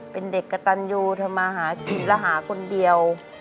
เป็นเด็กกระตันยูทำมาหากินแล้วหาคนเดียว